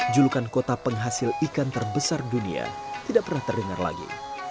julukan kota penghasil ikan terbesar dunia tidak pernah terdengar lagi